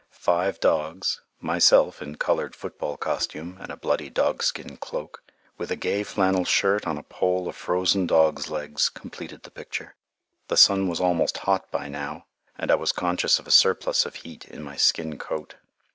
Five dogs, myself in colored football costume, and a bloody dogskin cloak, with a gay flannel shirt on a pole of frozen dogs' legs, completed the picture. The sun was almost hot by now, and I was conscious of a surplus of heat in my skin coat.